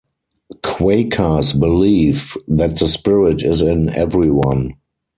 Quakers believe that the Spirit is in everyone.